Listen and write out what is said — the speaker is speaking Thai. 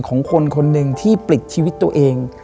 ของคนคนหนึ่งที่ปลิดชีวิตตัวเอง